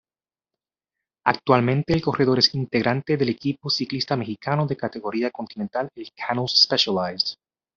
Actualmente el corredor es integrante del equipo ciclista mexicano de categoría Continental el Canel's-Specialized.